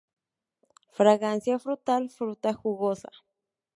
Fragancia frutal Fruta jugosa.